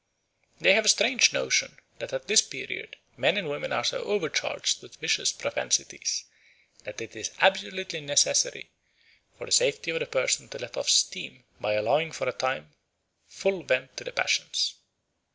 "They have a strange notion that at this period, men and women are so overcharged with vicious propensities, that it is absolutely necessary for the safety of the person to let off steam by allowing for a time full vent to the passions."